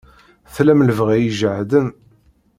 Tlam lebɣi ijehden.